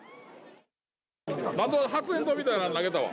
なんか発煙筒みたいなものを投げたわ。